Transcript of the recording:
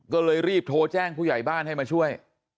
ก็เลยรีบโทรแจ้งผู้ใหญ่บ้านให้มาช่วย